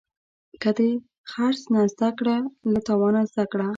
که د خرڅ نه زده کړې، له تاوانه زده کړه.